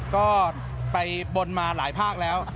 ก็ไปบนมาหลายภาคแล้ว